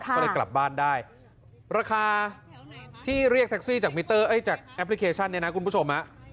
ไปกลับบ้านได้ราคาที่เรียกแท็กซี่จากแอปพลิเคชันนี้นะคุณผู้ชม